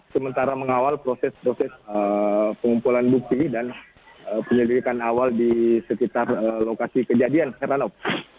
sementara mengawal proses proses pengumpulan bukti dan penyelidikan awal di sekitar lokasi kejadian heranov